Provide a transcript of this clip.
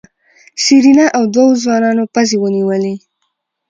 سېرېنا او دوو ځوانانو پزې ونيولې.